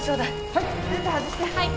はい。